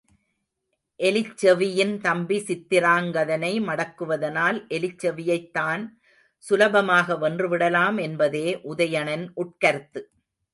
எலிச்செவியின் தம்பி சித்திராங்கதனை மடக்குவதனால் எலிச்செவியைத் தான் சுலபமாக வென்றுவிடலாம் என்பதே உதயணன் உட்கருத்து.